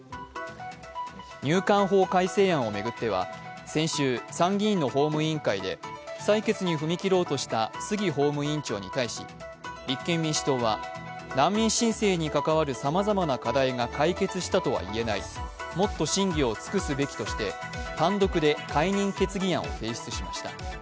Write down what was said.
入管法改正案を巡っては先週参議院の法務委員会で採決に踏み切ろうとした杉法務委員長に対し立憲民主党は難民申請に関わるさまざまな課題が解決したとはいえないもっと審議を尽くすべきとして単独で解任決議案を提出しました。